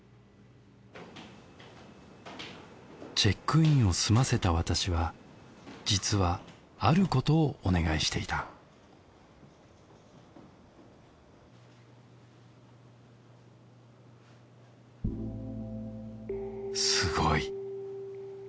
チェックインを済ませた私は実はあることをお願いしていたすごい。